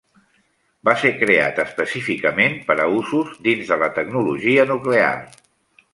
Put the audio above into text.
Va ser creat específicament per a usos dins de la tecnologia nuclear.